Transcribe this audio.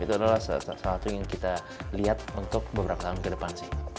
itu adalah salah satu yang kita lihat untuk beberapa tahun ke depan sih